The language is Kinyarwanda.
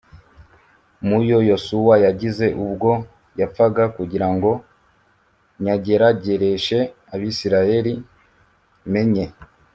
mu yo Yosuwa yasize ubwo yapfaga kugira ngo nyageragereshe Abisirayeli menye